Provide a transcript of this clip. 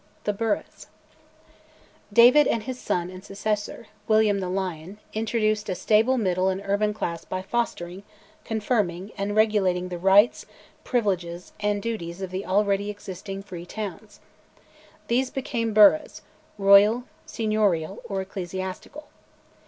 THE BURGHS. David and his son and successor, William the Lion, introduced a stable middle and urban class by fostering, confirming, and regulating the rights, privileges, and duties of the already existing free towns. These became burghs, royal, seignorial, or ecclesiastical.